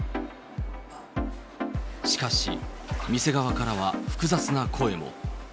しかし、店側からは複雑な声も。